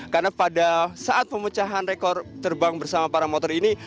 karena pada saat memecahan rekor terbang bersama para motor ini